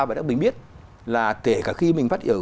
và mình biết là kể cả khi mình phát hiểu